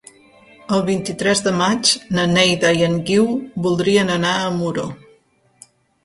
El vint-i-tres de maig na Neida i en Guiu voldrien anar a Muro.